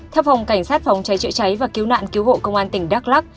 theo phòng cảnh sát phòng cháy chữa cháy và cứu nạn cứu hộ công an tỉnh đắk lắc